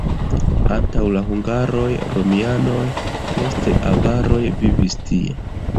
Antaŭ la hungaroj romianoj, poste avaroj vivis tie.